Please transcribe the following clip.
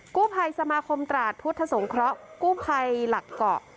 กู้ภัยสมาคมตราดพุทธสงเคราะห์กู้ภัยหลักเกาะ